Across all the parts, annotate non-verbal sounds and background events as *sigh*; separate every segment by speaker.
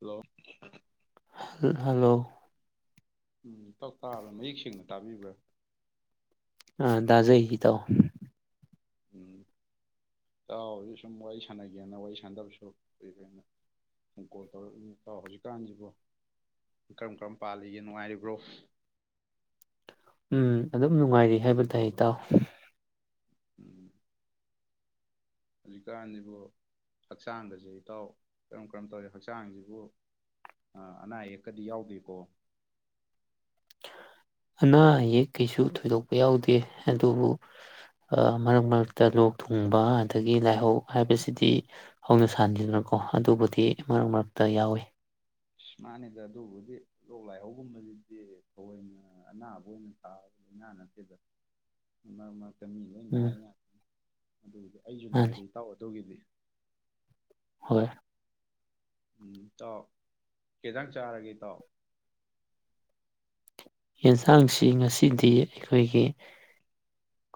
Speaker 1: Hello
Speaker 2: hello
Speaker 1: ꯎꯝꯞ ꯇꯥꯕ꯭ꯔꯥ ꯃꯌꯦꯛ ꯁꯦꯡꯅ ꯇꯥꯕꯤꯕ꯭ꯔꯥ
Speaker 2: ꯑꯥ ꯇꯥꯖꯩ ꯏꯇꯥꯎ
Speaker 1: ꯎꯝ ꯇꯥꯎ ꯍꯧꯖꯤꯛ ꯁꯨꯝ ꯋꯥꯔꯤ ꯁꯥꯟꯅꯒꯦꯅ ꯋꯥꯔꯤ ꯁꯥꯟꯗꯕꯁꯨ ꯀꯨꯏꯔꯦ ꯑꯗꯨꯅ ꯀꯣꯜ ꯇꯧꯔꯛ ꯇꯥꯎ ꯍꯧꯖꯤꯛꯀꯥꯟꯁꯤꯕꯨ ꯀꯔꯝ ꯀꯔꯝ ꯄꯥꯜꯂꯤꯒꯦ ꯅꯨꯡꯉꯥꯏꯔꯤꯕ꯭ꯔꯣ
Speaker 2: ꯎꯝ ꯑꯗꯨꯝ ꯅꯨꯉꯥꯏꯔꯤ ꯍꯥꯏꯕ ꯇꯥꯏ ꯏꯇꯥꯎ
Speaker 1: ꯎꯝ ꯍꯧꯖꯤꯛꯀꯥꯟꯁꯤꯕꯨ ꯍꯛꯆꯥꯡꯒꯁꯦ ꯏꯇꯥꯎ ꯀꯔꯝ ꯀꯔꯝ ꯇꯧꯔꯤ ꯍꯛꯆꯥꯡꯁꯤꯕꯨ ꯑꯅꯥ ꯑꯌꯦꯛꯀꯗꯤ ꯌꯥꯎꯗꯦꯀꯣ
Speaker 2: ꯑꯅꯥ ꯑꯌꯦꯛ ꯀꯩꯁꯨ ꯊꯣꯏꯗꯣꯛꯄ ꯌꯥꯎꯗꯦ ꯑꯗꯨꯕꯨ ꯑ ꯃꯔꯛ ꯃꯔꯛꯇ ꯂꯣꯛ ꯊꯨꯡꯕ ꯑꯗꯒꯤ ꯂꯥꯏꯍꯧ ꯍꯥꯏꯕꯁꯤꯗꯤ ꯍꯧꯅ ꯁꯥꯥꯟꯅꯦꯗꯅꯀꯣ ꯑꯗꯨꯕꯨꯗꯤ ꯃꯔꯛ ꯃꯔꯛꯇ ꯌꯥꯎꯏ
Speaker 1: ꯁ ꯃꯥꯅꯤꯗ ꯑꯗꯨꯕꯨꯗꯤ ꯂꯣꯛ ꯂꯥꯏꯍꯧꯒꯨꯝꯕꯁꯤꯗꯤ ꯊꯑꯣꯏꯅ ꯑꯅꯥꯕ ꯑꯣꯏꯅ ꯊꯥꯕ ꯂꯥꯏꯅꯥ ꯅꯠꯇꯗ ꯃꯔꯛ /ꯃꯔꯛ
Speaker 2: ꯎꯝ
Speaker 1: ꯑꯗꯨꯒꯤꯗꯤ ꯑꯩꯁꯨ
Speaker 2: ꯃꯥꯅꯤ
Speaker 1: ꯅꯥꯏꯗ ꯏꯇꯥꯎ ꯑꯗꯨꯒꯤꯗꯤ
Speaker 2: ꯍꯣꯏ
Speaker 1: ꯎꯝ ꯏꯇꯥꯎ ꯀꯩ ꯏꯟꯁꯥꯡ ꯆꯥꯔꯒꯦ ꯏꯇꯥꯎ
Speaker 2: ꯌꯦꯟꯁꯥꯡꯁꯤ ꯉꯁꯤꯗꯤ ꯑꯩꯈꯣꯏꯒꯤ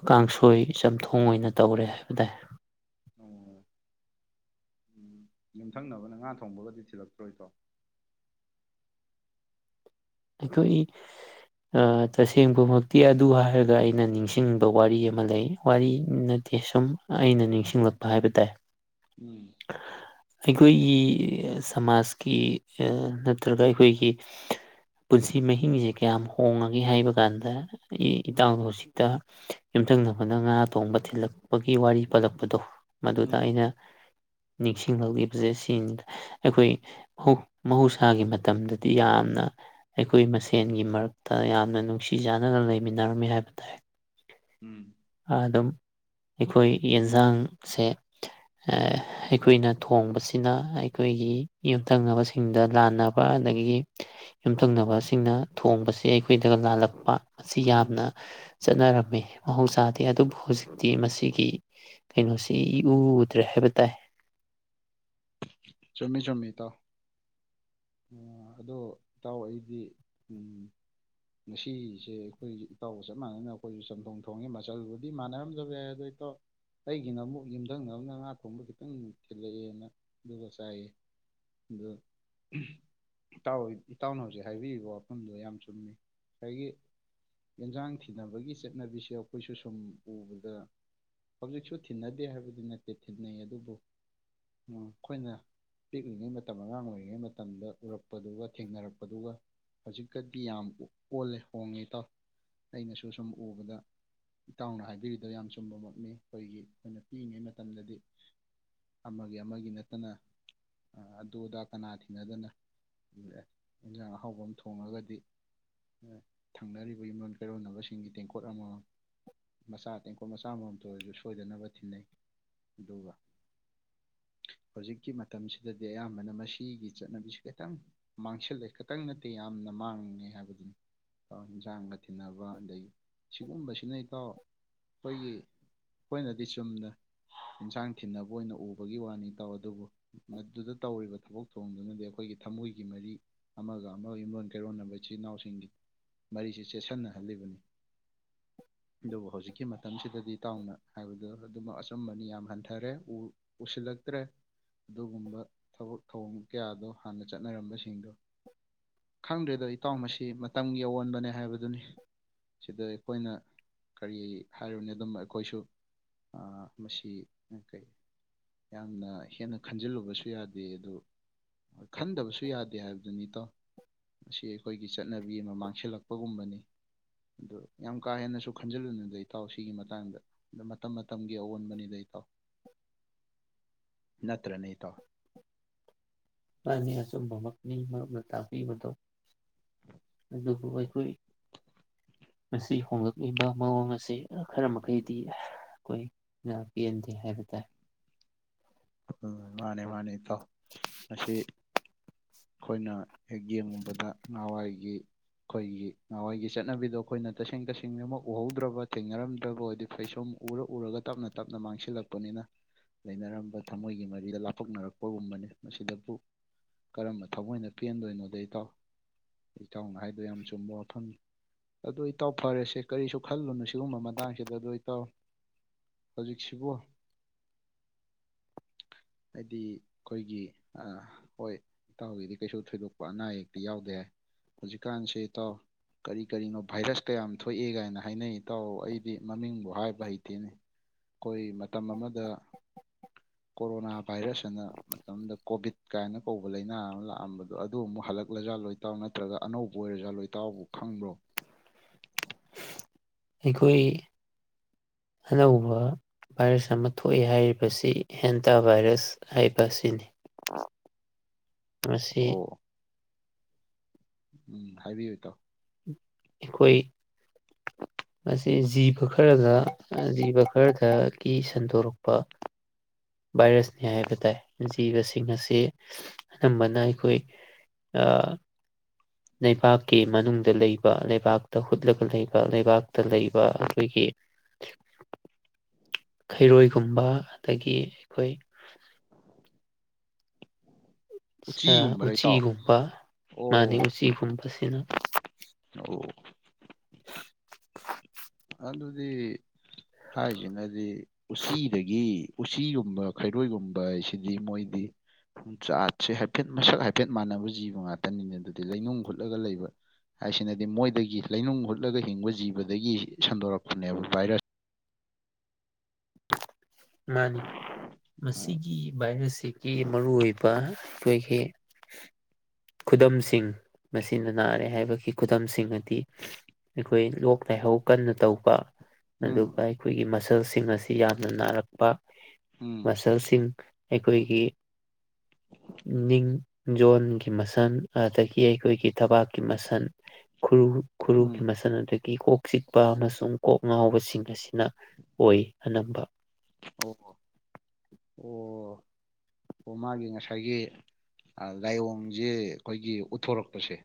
Speaker 2: ꯀꯥꯡꯁꯣꯏ ꯆꯝꯊꯣꯡ ꯑꯣꯏꯅ ꯇꯧꯔꯦ ꯍꯥꯏꯕ ꯇꯥꯏ
Speaker 1: ꯑꯣ ꯎꯝ ꯌꯨꯝꯊꯪꯅꯕꯅ ꯉꯥ ꯊꯣꯡꯕꯒꯗꯤ ꯊꯤꯜꯂꯛꯇ꯭ꯔꯣ ꯏꯇꯥꯎ
Speaker 2: ꯑꯩꯈꯣꯏꯒꯤ ꯇꯁꯦꯡꯕꯃꯛꯇꯤ ꯑꯗꯨ ꯍꯥꯏꯔꯒ ꯑꯩꯅ ꯅꯤꯡꯁꯤꯡꯕ ꯋꯥꯔꯤ ꯑꯃ ꯂꯩ ꯋꯥꯔꯤ ꯅꯠꯇꯦ ꯁꯨꯝ ꯑꯩꯅ ꯅꯤꯡꯁꯤꯡꯂꯛꯄ ꯍꯥꯏꯕ ꯇꯥꯏ
Speaker 1: ꯎꯝ
Speaker 2: ꯑꯩꯈꯣꯏꯒꯤ ꯁꯃꯥꯖꯀꯤ ꯅꯠꯇ꯭ꯔꯒ ꯑꯩꯈꯣꯏꯒꯤ ꯄꯨꯟꯁꯤ ꯃꯍꯤꯡꯁꯦ ꯀꯌꯥꯝ ꯍꯣꯡꯉꯒꯦ ꯍꯥꯏꯕ ꯀꯥꯟꯗ ꯏꯇꯥꯎꯗꯣ ꯍꯧꯖꯤꯛꯇ ꯌꯨꯝꯊꯪꯅꯕꯅ ꯉꯥ ꯊꯣꯡꯕ ꯊꯤꯜꯂꯛꯄꯒꯤ ꯋꯥꯔꯤ ꯄꯜꯂꯛꯄꯗꯣ ꯃꯗꯨꯗ
Speaker 1: ꯎꯝ
Speaker 2: ꯑꯩꯅ ꯅꯤꯡꯁꯤꯡꯂꯛꯂꯤꯕꯁꯦ ꯁꯤ ꯑꯩꯈꯣꯏ ꯃꯍꯧꯁꯥꯒꯤ ꯃꯇꯝꯗꯗꯤ ꯌꯥꯝꯅ ꯑꯩꯈꯣꯏ ꯃꯁꯦꯟꯒꯤ ꯃꯔꯛꯇ ꯌꯥꯝꯅ ꯅꯨꯡꯁꯤ ꯆꯥꯟꯅꯅ ꯂꯩꯃꯤꯟꯅꯔꯝꯃꯤ ꯍꯥꯏꯕ ꯇꯥꯏ
Speaker 1: ꯎꯝ
Speaker 2: ꯑꯗꯨꯝ ꯑꯩꯈꯣꯏ ꯌꯦꯟꯁꯥꯡꯁꯦ ꯑꯩꯈꯣꯏꯅ ꯊꯣꯡꯕꯁꯤꯅ ꯑꯩꯈꯣꯏꯒꯤ ꯌꯨꯝꯊꯪꯅꯕꯁꯤꯡꯗ ꯂꯥꯟꯅꯕ ꯑꯗꯒꯤ ꯊꯪꯅꯕꯁꯤꯡꯅ ꯊꯣꯡꯕꯁꯤ ꯑꯩꯈꯣꯏꯗ ꯂꯥꯜꯂꯛꯄ ꯃꯁꯤ
Speaker 1: ꯎꯝ
Speaker 2: ꯌꯥꯝꯅ ꯆꯠꯅꯔꯝꯃꯤ ꯃꯍꯧꯁꯥꯗꯤ ꯑꯗꯨꯕꯨ ꯍꯧꯖꯤꯛ ꯤ ꯃꯁꯤꯒꯤ ꯀꯩꯅꯣꯁꯤꯎꯗ꯭ꯔꯦ ꯍꯥꯏꯕ ꯇꯥꯏ
Speaker 1: ꯆꯃꯤ ꯆꯃꯤ ꯇ ꯑꯗꯣ ꯏꯇꯥꯎ ꯑꯩꯗꯤ ꯉꯁꯤꯁꯦ ꯑꯩꯈꯣꯏ ꯏꯇꯥꯎꯒ ꯆꯞ ꯃꯥꯟꯅꯅ ꯑꯩꯈꯣꯏꯁꯨ ꯆꯝꯊꯣꯡ ꯊꯣꯡꯉꯦ ꯃꯆꯜꯕꯨꯗꯤ ꯃꯥꯟꯅꯔꯝꯖꯕ ꯌꯥꯏ ꯑꯗꯣ ꯏꯇꯥꯎ ꯑꯩꯒꯤꯅ ꯑꯃꯨꯛ ꯌꯨꯝꯊꯪꯅꯕꯅ ꯉꯥ ꯊꯣꯡꯕ ꯈꯤꯇꯪ ꯊꯤꯜꯂꯛꯑꯦꯅ ꯑꯗꯨꯒ ꯆꯥꯏꯌꯦ ꯑ ꯏꯇꯥꯎ ꯏꯇꯥꯎꯅ ꯍꯧꯖꯤꯛ ꯍꯥꯏꯕꯤꯔꯤꯕ ꯋꯥꯐꯝꯗꯣ ꯌꯥꯝ ꯆꯨꯝꯃꯤ ꯉꯁꯥꯏꯒꯤ ꯏꯟꯁꯥꯡ ꯊꯤꯅꯕꯒꯤ ꯆꯠꯅꯕꯤꯁꯦ ꯑꯩꯈꯣꯏꯁꯨ ꯁꯨꯝ ꯎꯕꯗ ꯍꯧꯖꯤꯛꯁꯨ ꯊꯤꯟꯅꯗꯦ ꯍꯥꯏꯕꯗꯤ ꯅꯠꯇꯦ ꯊꯤꯟꯅꯩ ꯑꯗꯨꯕꯨ ꯑꯩꯈꯣꯏꯅ ꯄꯤꯛꯂꯤꯉꯩ ꯃꯇꯝ ꯑꯉꯥꯡ ꯑꯣꯏꯔꯤꯉꯩ ꯃꯇꯝ ꯃꯇꯝꯗ ꯎꯔꯛꯄꯗꯨꯒ ꯊꯦꯡꯅꯔꯛꯄꯗꯨꯒ ꯍꯧꯖꯤꯛꯀꯗꯤ ꯌꯥꯝ ꯑꯣꯜꯂꯦ ꯍꯣꯡꯉꯦ ꯏꯇꯥꯎ ꯑꯩꯅꯁꯨ ꯁꯨꯝ ꯎꯕꯗ ꯏꯇꯥꯎꯅ ꯍꯥꯏꯕꯤꯔꯤꯗꯣ ꯌꯥꯝ ꯆꯨꯝꯕꯃꯛꯅꯤ ꯑꯩꯈꯣꯏꯒꯤ ꯑꯩꯈꯣꯏꯅ ꯄꯤꯛꯏꯉꯩ ꯃꯇꯝꯗꯗꯤ ꯑꯃꯒꯤ ꯑꯃꯒꯤ ꯅꯠꯇꯅ ꯑꯗꯨ ꯑꯗꯥ ꯀꯅꯥꯗꯤ ꯊꯤꯅꯗꯅ ꯏꯟꯖꯥꯡ ꯑꯍꯥꯎꯕ ꯑꯃ ꯊꯣꯡꯉꯒꯗꯤ ꯊꯪꯅꯔꯤꯕ ꯏꯔꯣꯟ ꯀꯩꯔꯣꯟꯅꯕꯁꯤꯡꯒꯤ ꯇꯦꯡꯀꯣꯠ ꯑꯃꯃꯝ ꯃꯆꯥ ꯇꯦꯡꯀꯣꯠ ꯃꯆꯥ ꯑꯃꯃꯝꯇ ꯑꯣꯏꯔꯁꯨ ꯁꯣꯏꯗꯅꯕ ꯊꯤꯟꯅꯩ ꯑꯗꯨꯒ ꯍꯧꯖꯤꯛꯀꯤ ꯃꯇꯝꯁꯤꯗꯗꯤ ꯑꯌꯥꯝꯕꯅ ꯃꯁꯤꯒꯤ ꯆꯠꯅꯕꯤꯁꯤ ꯈꯤꯇꯪ ꯃꯥꯡꯁꯤꯜꯂꯦ ꯈꯤꯇꯪ ꯅꯠꯇꯦ ꯌꯥꯝꯅ ꯃꯥꯡꯉꯦ ꯍꯥꯏꯕꯗꯨꯅꯤ ꯏꯟꯁꯥꯡꯒ ꯊꯤꯕ ꯑꯗꯒꯤ ꯁꯤꯒꯨꯝꯕꯁꯤꯅ ꯏꯇꯥꯎ ꯑꯩꯈꯣꯏꯒꯤ ꯑꯩꯈꯣꯏꯅꯗꯤ ꯆꯨꯝꯅ ꯏꯟꯁꯥꯡ ꯊꯤꯕ ꯑꯣꯏꯅ ꯎꯕꯒꯤ ꯋꯥꯅꯤ ꯇꯥꯎ ꯑꯗꯨꯕꯨ ꯃꯗꯨꯗ ꯇꯧꯔꯤꯕ ꯊꯕꯛ ꯊꯣꯡꯗꯨꯅꯗꯤ ꯑꯩꯈꯣꯏꯒꯤ ꯊꯃꯣꯏꯒꯤ ꯃꯔꯤ ꯑꯃꯒ ꯑꯃꯒ ꯏꯔꯣꯟ ꯀꯩꯔꯣꯟꯅꯕ ꯏꯆꯤꯜ ꯏꯅꯥꯎꯁꯤꯡꯒꯤ ꯃꯔꯤꯁꯤ ꯆꯦꯁꯤꯟꯅꯍꯜꯂꯤꯕꯅꯤ ꯑꯗꯨꯕꯨ ꯍꯧꯖꯤꯛꯀꯤ ꯃꯇꯝꯁꯤꯗꯗꯤ ꯇꯥꯎꯅ ꯍꯥꯏꯕꯗ ꯑꯗꯨꯃꯛ ꯑꯆꯨꯝꯕꯅꯤ ꯌꯥꯝ ꯍꯟꯊꯔꯦ ꯎꯁꯤꯜꯂꯛꯇ꯭ꯔꯦ ꯑꯗꯨꯒꯨꯝꯕ ꯊꯕꯛ ꯊꯧꯑꯣꯡ ꯀꯌꯥꯗꯣ ꯍꯥꯟꯅ ꯆꯠꯅꯔꯝꯕꯁꯤꯡꯗꯣ ꯈꯪꯗ꯭ꯔꯦꯗ ꯏꯇꯥꯎ ꯃꯁꯤ ꯃꯇꯝꯒꯤ ꯑꯑꯣꯟꯕꯅꯦ ꯍꯥꯏꯕꯗꯨꯅꯤ ꯁꯤꯗ ꯑꯩꯈꯣꯏꯅ ꯀꯔꯤ ꯍꯥꯏꯔꯨꯅꯤ ꯑꯗꯨꯝ ꯑꯩꯈꯣꯏꯁꯨ ꯃꯁꯤ ꯀꯩ ꯌꯥꯝꯅ ꯍꯦꯟꯅ ꯈꯟꯖꯤꯜꯂꯨꯕꯁꯨ ꯌꯥꯗꯦ ꯑꯗꯨ ꯈꯟꯗꯕꯁꯨ ꯌꯥꯗꯦ ꯍꯥꯏꯕꯗꯨꯅꯤ ꯏꯇꯥꯎ ꯃꯁꯤ ꯑꯩꯈꯣꯏꯒꯤ ꯆꯠꯅꯕꯤ ꯑꯃ ꯃꯥꯡꯁꯤꯜꯂꯛꯄꯒꯨꯝꯕꯅꯤ ꯑꯗꯨ ꯌꯥꯝ ꯀꯥ ꯍꯦꯟꯅꯁꯨ ꯈꯟꯖꯤꯜꯂꯨꯅꯗ ꯏꯇꯥꯎ ꯁꯤꯒꯤ ꯃꯇꯥꯡꯗ ꯑ ꯃꯇꯝ ꯃꯇꯝꯒꯤ ꯑꯑꯣꯟꯕꯅꯤꯗ ꯏꯇꯥꯎ ꯅꯠꯇ ꯅꯩꯅꯇꯥ
Speaker 2: ꯅꯤ ꯑꯆꯨꯝꯚꯃꯛꯅꯤ ꯃ ꯃꯇꯥꯄꯤ ꯃꯇꯣ ꯑꯗꯨꯕꯨ ꯑꯩꯈꯣꯏ ꯉ ꯍꯣꯡꯂꯛꯂꯤꯕ ꯃꯑꯣꯡ ꯑ ꯑꯁꯤ ꯈꯔ ꯃꯈꯩꯗꯤ ꯑꯩꯈꯣꯏ ꯉ ꯄꯦꯟꯗꯦ ꯍꯥꯏꯕ ꯇꯥꯏ
Speaker 1: ꯎ ꯃꯥꯅꯦ ꯃꯥꯅꯦ ꯏꯇꯥꯎ ꯃꯁꯤ ꯑꯩꯈꯣꯏꯅ ꯍꯦꯛ ꯌꯦꯡꯉꯨꯕꯗ ꯉꯍꯥꯟꯋꯥꯏꯒꯤ ꯑꯩꯈꯣꯏꯒꯤ ꯉꯍꯥꯟꯋꯥꯏꯒꯤ ꯆꯠꯅꯕꯤꯗꯣ ꯑꯩꯈꯣꯏꯅ ꯇꯁꯦꯡ ꯇꯁꯦꯡꯅ ꯑꯃ ꯎꯍꯧꯗ꯭ꯔꯕ ꯊꯦꯡꯅꯔꯝꯗ꯭ꯔꯕ ꯑꯣꯏꯗꯤ ꯐꯩꯁꯨꯝ ꯎꯔ ꯎꯔꯒ ꯇꯞꯅ ꯇꯞꯅ ꯃꯥꯡꯁꯤꯜꯂꯛꯄꯅꯤꯅ ꯂꯩꯅꯔꯝꯕ ꯊꯃꯣꯏꯒꯤ ꯃꯔꯤꯗ ꯂꯥꯞꯄꯛꯅꯔꯛꯄꯒꯨꯝꯕꯅꯤ ꯃꯁꯤꯗꯕꯨ ꯀꯔꯝꯕ ꯊꯃꯣꯏꯅ ꯄꯦꯟꯗꯣꯏꯅꯣꯗ ꯏꯇꯥꯎ ꯏꯇꯥꯎꯅ ꯍꯥꯏꯗꯣꯏ ꯌꯥꯝ ꯆꯨꯝꯕ ꯋꯥꯐꯝꯅꯤ ꯑꯗꯨꯗ ꯏꯇꯥꯎ ꯐꯔꯁꯦ ꯀꯔꯤꯁꯨ ꯈꯜꯂꯨꯅꯨ ꯁꯤꯒꯨꯝꯕ ꯃꯇꯥꯡꯁꯤꯗ ꯑꯗꯨꯣ ꯏꯇꯥꯎ ꯍꯧꯖꯤꯛꯁꯤꯕꯨ ꯍꯥꯏꯗꯤ ꯑꯩꯈꯣꯏꯒꯤ ꯍꯣꯏ ꯏꯇꯥꯎꯒꯤꯗꯤ ꯀꯩꯁꯨ ꯊꯣꯏꯗꯣꯛꯄ ꯑꯅꯥ ꯑꯌꯦꯛꯇꯤ ꯌꯥꯎꯗꯦ ꯍꯥꯏ ꯍꯧꯖꯤꯛꯀꯥꯟꯁꯦ ꯏꯇꯥꯎ ꯀꯔꯤ ꯀꯔꯤꯅꯣ ꯚꯥꯏꯔꯁ ꯀꯌꯥꯝ ꯊꯣꯛꯑꯦ ꯀꯥꯏꯅ ꯍꯥꯏꯅꯩ ꯏꯇꯥꯎ ꯑꯩꯗꯤ ꯃꯃꯤꯡꯕꯨ ꯍꯥꯏꯕ ꯍꯩꯇꯦꯅꯤ ꯑꯩꯈꯣꯏ ꯃꯇꯝ ꯑꯃꯗ ꯀꯣꯔꯣꯅꯥ ꯚꯥꯏꯔꯁ ꯑꯅ ꯃꯇꯝꯗ ꯀꯣꯚꯤꯠ ꯀꯥꯏꯅ ꯀꯧꯕ ꯂꯥꯏꯅꯥ ꯑꯃ ꯂꯥꯛꯑꯝꯕꯗꯣ ꯑꯗꯨ ꯑꯃꯨꯛ ꯍꯜꯂꯛꯂꯖꯥ ꯂꯣꯏꯇꯥꯎ ꯅꯠꯇ꯭ꯔꯒ ꯑꯅꯧꯕ ꯑꯣꯏꯔꯖꯥꯠ ꯂꯣꯏꯇꯥꯎꯕꯨ ꯈꯪꯕ꯭ꯔꯣ
Speaker 2: ꯑꯩꯈꯣꯏ ꯑꯅꯧꯕ ꯚꯥꯏꯔꯁ ꯑꯃ ꯊꯣꯛꯑꯦ ꯍꯥꯏꯔꯤꯕꯁꯤ ꯍꯦꯟꯇꯥ ꯚꯥꯏꯔꯁ ꯍꯥꯏꯕ ꯑꯁꯤꯅꯤ ꯃꯁꯤ
Speaker 1: ꯑꯣ ꯎꯝ ꯍꯥꯏꯕꯤꯌꯨ ꯇꯥꯎ
Speaker 2: ꯑꯩꯈꯣꯏ ꯃꯁꯤ ꯖꯤꯕ ꯈꯔꯒ ꯖꯤꯕ ꯈꯔꯗꯒꯤ ꯁꯟꯗꯣꯔꯛꯄ ꯚꯥꯏꯔꯁꯅꯤ ꯍꯥꯏꯕ ꯇꯥꯏ ꯖꯤꯕꯁꯤꯡ ꯑꯁꯤ ꯑꯅꯝꯕꯅ ꯑꯩꯈꯣꯏ ꯂꯩꯕꯥꯛꯀꯤ ꯃꯅꯨꯡꯗ ꯂꯩꯕ ꯂꯩꯕꯥꯛꯇ ꯍꯨꯠꯂꯒ ꯂꯩꯕ ꯂꯩꯕꯥꯛꯇ ꯂꯩꯕ ꯑꯩꯈꯣꯏꯒꯤ ꯈꯩꯔꯣꯏꯒꯨꯝꯕ ꯑꯗꯒꯤ ꯑꯩꯈꯣꯏ
Speaker 1: ꯎꯆꯤꯒꯨꯝꯕꯔ ꯏꯇꯥꯎ
Speaker 2: ꯎꯆꯤꯒꯨꯝꯕ ꯃꯥꯅꯤ
Speaker 1: ꯑꯣ
Speaker 2: ꯎꯆꯤꯒꯨꯝꯕꯁꯤꯅ
Speaker 1: ꯑꯣ ꯅꯗꯤ ꯍꯥꯏꯦꯗꯤ ꯎꯆꯁꯤꯗꯒꯤ ꯎꯆꯤꯒꯨꯝꯕ ꯈꯩꯔꯣꯏꯒꯨꯝꯕ ꯍꯥꯏꯁꯤꯗꯤ ꯃꯣꯏꯗꯤ ꯆꯥꯠꯁꯦ ꯍꯥꯏꯐꯦꯠ ꯃꯁꯛ ꯍꯥꯏꯐꯦꯠ ꯃꯥꯟꯅꯕ ꯖꯤꯕ ꯉꯥꯛꯇꯅꯤꯅꯦ ꯑꯗꯨꯗꯤ ꯂꯩꯅꯨꯡ ꯍꯨꯠꯂꯒ ꯂꯩꯕ ꯍꯥꯏꯁꯤꯅꯗꯤ ꯃꯣꯏꯗꯒꯤ ꯂꯩꯅꯨꯡ ꯍꯨꯠꯂꯒ ꯍꯤꯡꯕ ꯖꯤꯕꯗꯒꯤ ꯁꯟꯗꯣꯔꯛꯄꯅꯦꯕ ꯚꯥꯏꯔꯁ
Speaker 2: ꯃꯥꯅꯤ
Speaker 1: ꯎꯝ
Speaker 2: ꯃꯁꯤꯒꯤ ꯚꯥꯏꯔꯁꯁꯤꯒꯤ ꯃꯔꯨꯑꯣ ꯑꯣꯏꯕ ꯈꯣꯏꯈ ꯈꯨꯗꯝꯁꯤꯡ ꯃꯁꯤꯅ ꯅꯥꯔꯦ ꯍꯥꯏꯕꯒꯤ ꯈꯨꯗꯝꯁꯤꯡ ꯑꯗꯤ ꯑꯩꯈꯣꯏ ꯂꯣꯛ ꯂꯥꯏꯍꯧ ꯀꯟꯅ ꯇꯧꯕ ꯑꯗꯨꯒ ꯑꯩꯈꯣꯏꯒꯤ ꯃꯁꯜꯁꯤꯡ ꯑꯁꯤ ꯌꯥꯝꯅ ꯅꯥꯔꯛꯄ
Speaker 1: ꯎꯝ
Speaker 2: ꯃꯁꯜꯁꯤꯡ ꯑꯩꯈꯣꯏꯒꯤ ꯅꯤꯡ ꯖꯣꯟꯒꯤ ꯃꯁꯟ ꯑꯗꯒꯤ ꯑꯩꯈꯣꯏꯒꯤ ꯊꯕꯥꯛꯀꯤ ꯃꯁꯟ ꯈꯨꯔꯨ
Speaker 1: ꯎꯝ
Speaker 2: ꯈꯨꯔꯨꯒꯤ ꯃꯁꯟ ꯑꯗꯒꯤ ꯀꯣꯛ ꯆꯤꯛꯄ ꯑꯃꯁꯨꯡ ꯀꯣꯛ ꯉꯥꯎꯕꯁꯤꯡ ꯑꯁꯤꯅ ꯑꯣꯏ ꯑꯅꯝꯕ
Speaker 1: ꯑꯣ ꯑꯣ ꯑꯣ ꯃꯥꯒꯤ ꯉꯁꯥꯏꯒꯤ ꯂꯥꯏꯑꯣꯡꯁꯦ ꯑꯩꯈꯣꯏꯒꯤ ꯎꯠꯊꯣꯔꯛꯄꯁꯦ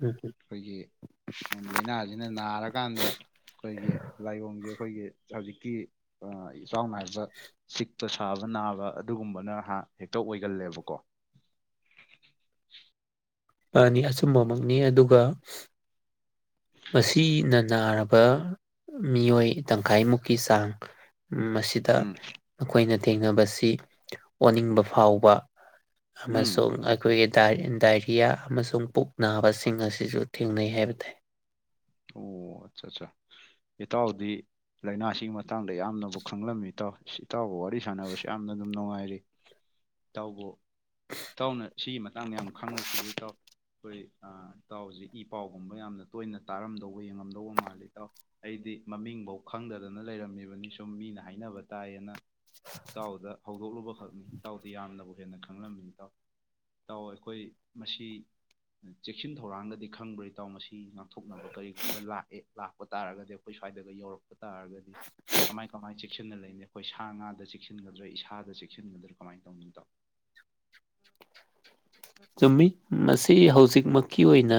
Speaker 2: ꯎꯝ
Speaker 1: ꯑꯩꯈꯣꯏꯒꯤ ꯂꯥꯏꯅꯥꯁꯤꯅ ꯅꯥꯔꯀꯥꯟꯗ ꯑꯩꯈꯣꯏꯒꯤ ꯂꯥꯏꯑꯣꯡꯁꯦ ꯑꯩꯈꯣꯏꯒꯤ ꯍꯧꯖꯤꯛ ꯀ ꯑ ꯆꯥꯎꯥꯎꯅ ꯍꯥꯏ ꯁꯤ ꯛꯇ ꯁꯥꯕ ꯅꯥꯕ ꯑꯗꯨꯒꯨꯝꯕꯅꯍ ꯍꯦꯛꯇ ꯑꯣꯏꯒꯜꯂꯦꯕꯀꯣ
Speaker 2: ꯅꯤ ꯑꯆꯨꯝꯕꯃꯛꯅꯤ ꯑꯗꯨꯒ ꯃꯁꯤꯅ ꯅꯥꯔꯕ ꯃꯤꯑꯣꯏ ꯇꯪꯈꯥꯏꯃꯨꯛꯀꯤ ꯆꯥꯡ ꯃꯁꯤꯗ
Speaker 1: ꯎꯝ
Speaker 2: ꯑꯩꯈꯣꯏꯅ ꯊꯦꯡꯅꯕꯁꯤ ꯑꯣꯅꯤꯡꯕ ꯐꯥꯎꯕ
Speaker 1: ꯎꯝ
Speaker 2: ꯑꯃꯁꯨꯡ ꯑꯩꯈꯣꯏꯒꯤ ꯇꯥ ꯇꯥꯖ ꯌꯥ ꯑꯃꯁꯨꯡ ꯄꯨꯛ ꯅꯥꯕꯁꯤꯡ ꯑꯁꯤꯁꯨ ꯊꯦꯡꯅꯩ ꯍꯥꯏꯕ ꯇꯥꯏ꯫
Speaker 1: ꯑꯣ ꯑꯠꯆꯥ ꯆꯥ ꯏꯇꯥꯎꯗꯤ ꯂꯥꯏꯅꯥꯁꯤꯒꯤ ꯃꯇꯥꯡꯗ ꯌꯥꯝꯅꯕꯨ ꯈꯪꯂꯝꯃꯤ ꯏꯇꯥꯎ ꯏꯇꯥꯎꯒ ꯋꯥꯔꯤ ꯁꯥꯟꯅꯕꯁꯤ ꯌꯥꯝꯅ ꯗꯨꯝ ꯅꯨꯡꯉꯥꯏꯔꯤ ꯏꯇꯥꯎꯕꯨ ꯏꯇꯥꯎꯅ ꯁꯤꯒꯤ ꯃꯇꯥꯡꯗ ꯌꯥꯝ ꯈꯪꯂꯤꯁꯤꯕꯨ ꯏꯇꯥꯎ ꯑꯩꯈꯣꯏ ꯏꯇꯥꯎꯁꯤ ꯏ ꯄꯥꯎꯒꯨꯝꯕ ꯌꯥꯝꯅ ꯇꯣꯏꯅ꯫ ꯇꯥꯔꯝꯗꯧꯕ ꯌꯦꯡꯉꯝꯗꯧꯕ ꯃꯥꯜꯂꯤ ꯏꯇꯥꯎ ꯑꯩꯗꯤ ꯃꯃꯤꯡꯐꯧ ꯈꯪꯗꯗꯅ ꯂꯩꯔꯝꯃꯤꯅꯤ ꯁꯨꯝ ꯃꯤꯅ ꯍꯥꯏꯅꯕ ꯇꯥꯏꯌꯦꯅ ꯏꯇꯥꯎꯗ ꯍꯧ ꯍꯧꯗꯣꯛꯂꯨꯕꯈꯛꯅꯤ ꯏꯇꯥꯎꯗꯤ ꯌꯥꯝꯅꯕꯨ ꯍꯦꯟꯅ ꯈꯪꯂꯝꯃꯤꯅꯤ ꯏꯇꯥꯎ, ꯏꯇꯥꯎ ꯑꯩꯈꯣꯏ ꯃꯁꯤ ꯆꯦꯛꯁꯤꯟ ꯊꯧꯔꯥꯡꯗꯗꯤ ꯈꯪꯕ꯭ꯔꯥ ꯏꯇꯥꯎ ꯃꯁꯤ ꯉꯛ꯫ ꯉꯛꯊꯣꯛꯅꯕ ꯀꯔꯤꯒꯨꯝꯕ ꯂꯥꯛꯑꯦ ꯂꯥꯛꯄ ꯇꯥꯔꯒꯗꯤ ꯑꯩꯈꯣꯏ ꯁ꯭ꯋꯥꯏꯗꯒ ꯌꯧꯔꯛꯄ꯫ ꯇꯥꯔꯒꯗꯤ ꯀꯃꯥꯏ - ꯀꯃꯥꯏ ꯆꯦꯛꯁꯤꯟꯅ ꯂꯩꯅꯤ꯫ ꯑꯩꯈꯣꯏ ꯁꯥ ꯉꯥꯗ ꯆꯦꯛꯁꯤꯟꯒꯗ꯭ꯔꯥ ꯏꯁꯥꯗ ꯆꯦꯛꯁꯤꯟꯒꯗ꯭ꯔꯥ ꯀꯃꯥꯏꯅ ꯇꯧꯅꯤ ꯏꯇꯥꯎ
Speaker 2: ꯆꯨꯝꯃꯤ ꯃꯁꯤ ꯁꯤ ꯍꯧꯖꯤꯛꯃꯛꯀꯤ ꯑꯣꯏꯅ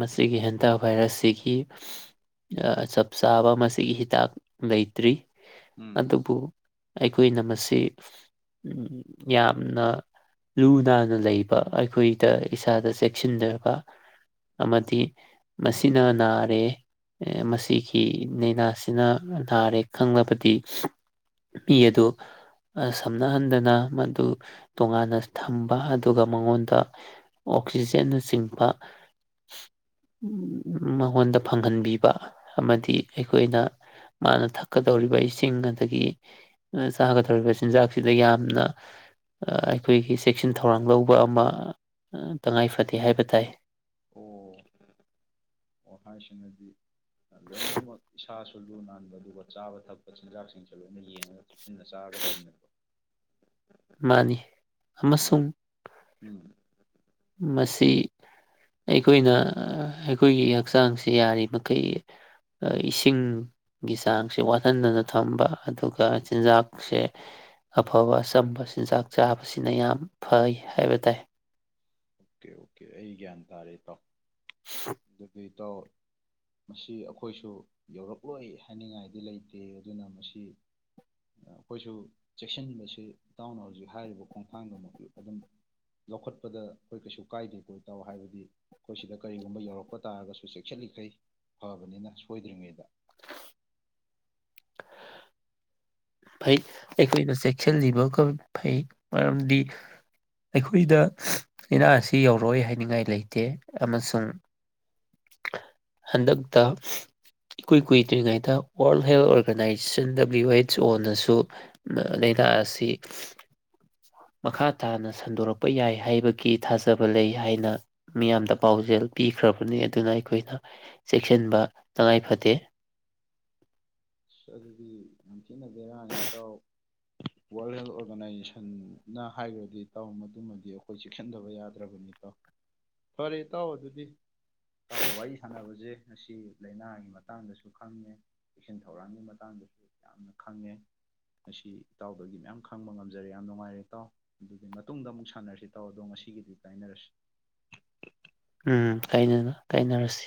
Speaker 2: ꯃꯁꯤꯒꯤ ꯍꯦꯟꯊ ꯚꯥꯏꯔꯁꯁꯤꯒꯤ ꯆꯞ ꯆꯥꯕ ꯃꯁꯤꯒꯤ ꯍꯤꯗꯥꯛ ꯂꯩꯇ꯭ꯔꯤ
Speaker 1: ꯎꯝ
Speaker 2: ꯑꯗꯨꯕꯨ ꯑꯩꯈꯣꯏꯅ ꯃꯁꯤ ꯎꯝ ꯌꯥꯝꯅ ꯂꯨꯅꯥꯅ ꯂꯩꯕ꯫ ꯑꯩꯈꯣꯏꯗ ꯏꯁꯥꯗ ꯆꯦꯛꯁꯤꯟꯖꯕ ꯑꯃꯗꯤ ꯃꯁꯤꯅ ꯅꯥꯔꯦ ꯃꯁꯤꯒꯤ ꯂꯅꯥꯁꯤꯅ ꯅꯥꯔꯦ ꯈꯪꯂꯕꯗꯤ ꯃꯤ ꯑꯗꯨ ꯁꯝꯅꯍꯟꯗꯅ ꯃꯗꯨ ꯇꯣꯉꯥꯟꯅ ꯊꯝꯕ꯫ ꯑꯗꯨꯒ ꯃꯉꯣꯟꯗ ꯑꯣꯛꯁꯤꯖꯦꯟꯅꯆꯤꯡꯕ ꯃꯉꯣꯟꯗ ꯐꯪꯍꯟꯕꯤꯕ ꯑꯃꯗꯤ ꯑꯩꯈꯣꯏꯅ ꯃꯥꯅ ꯊꯛꯀꯗꯧꯔꯤꯕ ꯏꯁꯤꯡ ꯑꯗꯒꯤ ꯆꯥꯒꯗꯧꯔꯤꯕ ꯆꯤꯟꯖꯥꯛꯁꯤꯗ ꯌꯥꯝꯅ ꯑꯩꯈꯣꯏꯒꯤ ꯆꯦꯛꯁꯤꯟ ꯊꯧꯔꯥꯡ꯫ ꯊꯧꯔꯥꯡ ꯂꯧꯕ ꯑꯃ ꯇꯉꯥꯏ ꯐꯗꯦ ꯍꯥꯏꯕ ꯇꯥꯏ
Speaker 1: ꯑꯣ ꯋꯥ ꯍꯥꯏꯁꯤꯅꯗꯤ ꯂꯣꯏꯅꯃꯛ ꯏꯁꯥꯁꯨ ꯂꯨ ꯅꯥꯟꯕ ꯑꯗꯨꯒ ꯆꯥꯕ ꯊꯛꯄ ꯆꯤꯟꯖꯥꯛꯁꯤꯡꯁꯨ ꯂꯣꯏꯅ ꯌꯦꯡꯉꯒ ꯆꯦꯛꯁꯤꯟꯅ ꯆꯥꯒꯗꯕꯅꯦꯕ꯫
Speaker 2: ꯃꯥꯅꯤ ꯑꯃꯁꯨꯡ
Speaker 1: ꯎꯝ
Speaker 2: ꯃꯁꯤ ꯑꯩꯈꯣꯏꯅ ꯑꯩꯈꯣꯏꯒꯤ ꯍꯛꯆꯥꯡꯁꯦ ꯌꯥꯔꯤꯃꯩ ꯏꯁꯤꯡꯒꯤ ꯆꯥꯡꯁꯦ ꯋꯥꯠꯍꯟꯗꯅ ꯊꯝꯕ ꯑꯗꯨꯒ ꯆꯥꯟꯖꯛꯁꯦ ꯑꯐꯥꯕ ꯑꯆꯝꯕ ꯆꯤꯟꯖꯥꯛ ꯆꯥꯕꯁꯤꯅ ꯌꯥꯝ ꯐꯩ ꯍꯥꯏꯕ ꯇꯥꯏ
Speaker 1: ꯑꯣꯀꯦ - ꯑꯣꯀꯦ ꯑꯩ ꯒ꯭ꯌꯥꯟ ꯇꯥꯔꯦ ꯏꯇꯥꯎ꯫ ꯑꯗꯨ *unintelligible* ꯏꯇꯥꯎ ꯃꯁꯤ ꯑꯩꯈꯣꯏꯁꯨ ꯌꯧꯔꯛꯂꯣꯏ ꯍꯥꯏꯅꯤꯡꯉꯥꯏꯗꯤ ꯂꯩꯇꯦ ꯑꯗꯨꯅ ꯃꯁꯤ ꯑꯩꯈꯣꯏꯁꯨ ꯆꯦꯛꯁꯤꯟꯕꯁꯤ ꯏꯇꯥꯎꯅ ꯍꯧꯖꯤꯛ ꯍꯥꯏꯔꯤꯕ ꯈꯣꯡꯊꯥꯡꯗꯨꯃꯛ ꯑꯗꯨꯝ ꯂꯧꯈꯠꯄꯗ ꯏꯇꯥ ꯑꯩꯈꯣꯏ ꯀꯩꯁꯨ ꯀꯥꯏꯗꯦ ꯀꯣꯏ ꯇꯥꯎ ꯍꯥꯏꯕꯗꯤ ꯑꯩꯈꯣꯏ ꯁꯤꯗ ꯀꯔꯤꯒꯨꯝꯕ ꯌꯧꯔꯛꯄ ꯇꯥꯔꯒꯁꯨ ꯆꯦꯛꯁꯤꯜꯂꯤꯈꯩ ꯐꯕꯅꯤꯅ ꯁꯣꯏꯗ꯭ꯔꯤꯉꯩꯗ
Speaker 2: ꯐꯩ ꯑꯩꯈꯣꯏꯅ ꯆꯦꯛꯁꯤꯜꯂꯤꯕꯒ ꯐꯩ ꯃꯔꯝꯗꯤ ꯑꯩꯈꯣꯏꯗ ꯂꯥꯏꯅꯥ ꯑꯁꯤ ꯌꯧꯔꯣꯏ ꯍꯥꯏꯅꯤꯡꯉꯥꯏ ꯂꯩꯇꯦ ꯑꯃꯁꯨꯡ ꯍꯟꯗꯛꯇ ꯏꯀꯨꯏ ꯀꯨꯏꯗ꯭ꯔꯤꯉꯩꯗ world health organisation W H ꯑꯣꯅꯁꯨ ꯂꯥꯏꯅꯥꯥꯛ ꯑꯁꯤ ꯃꯈꯥ ꯇꯥꯅ ꯁꯟꯗꯣꯔꯛꯄ ꯌꯥꯏ ꯍꯥꯏꯕꯒꯤ ꯊꯥꯖꯕ ꯂꯩ ꯍꯥꯏꯅ ꯃꯤꯌꯥꯝꯗ ꯄꯥꯎꯖꯦꯜ ꯄꯤꯈ꯭ꯔꯕꯅꯤ ꯑꯗꯨꯅ ꯑꯩꯈꯣꯏꯅ ꯆꯦꯛꯁꯤꯟꯕ ꯇꯉꯥꯏ ꯐꯗꯦ
Speaker 1: ꯑꯗꯨꯗꯤ ꯌꯥꯝ ꯊꯅ ꯑꯩꯔꯥꯡꯅꯤ ꯏꯇꯥꯎ ꯋꯥꯔꯜ ꯍꯦꯜꯠ ꯑꯣꯔꯒꯅꯥꯏꯖꯦꯁꯟꯅ ꯍꯥꯏꯈ꯭ꯔꯗꯤ ꯇꯥꯎ ꯃꯇꯨꯡꯃꯗꯤ ꯑꯩꯈꯣꯏ ꯆꯦꯛꯁꯤꯟꯗꯕ ꯌꯥꯗ꯭ꯔꯕꯅꯤ ꯏꯇꯥꯎ ꯐꯔꯦ ꯏꯇꯥꯎ ꯑꯗꯨꯗꯤ ꯇꯥꯎ ꯋꯥꯔꯤ ꯁꯥꯟꯅꯕꯁꯦ ꯉꯁꯤ ꯂꯥꯏꯅꯥꯒꯤ ꯃꯇꯥꯡꯗꯁꯨ ꯈꯪꯉꯦ ꯊꯧꯔꯥꯡꯒꯤ ꯃꯇꯥꯡꯗꯁꯨ ꯌꯥꯝꯅ ꯈꯪꯉꯦ ꯉꯁꯤ ꯏꯇꯥꯎꯗꯒꯤ ꯃꯌꯥꯝ ꯈꯪꯕ ꯉꯝꯖꯔꯦ ꯌꯥꯝ ꯅꯨꯡꯉꯥꯏꯔꯦ ꯏꯇꯥꯎ ꯑꯗꯨꯒꯤ ꯃꯇꯨꯡꯗ ꯑꯃꯨꯛ ꯁꯥꯟꯅꯔꯁꯤ ꯇꯥꯎ ꯑꯗꯣ ꯉꯁꯤꯒꯤꯗꯤ ꯀꯥꯏꯅꯔꯁꯤ
Speaker 2: ꯎꯝ ꯀ ꯀꯥꯏꯅꯔꯁꯤ